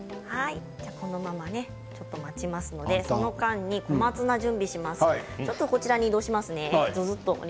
このままちょっと待ちますのでその間に小松菜を準備します。